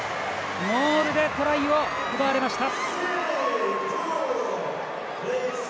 モールでトライを奪われました。